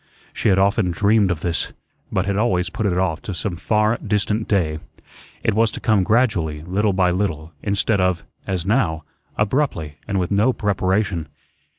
She had often dreamed of this, but had always put it off to some far distant day. It was to come gradually, little by little, instead of, as now, abruptly and with no preparation.